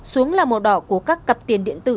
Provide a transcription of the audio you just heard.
xuống là màu đỏ của các cặp tiền điện tử